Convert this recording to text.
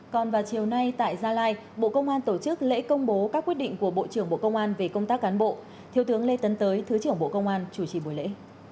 còn vào chiều nay tại gia lai bộ công an tổ chức lễ công bố các quyết định của bộ trưởng bộ công an về công tác cán bộ thiếu tướng lê tấn tới thứ trưởng bộ công an chủ trì buổi lễ